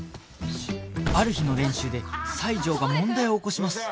ある日の練習で西条が問題を起こします